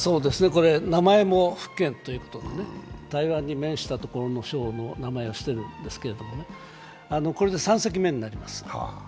名前も福建ということで台湾で面したところの省の名前をつけているんですけれども、これで３隻目になります。